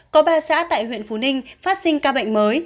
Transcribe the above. có ba xã tại huyện phú ninh phát sinh ca bệnh mới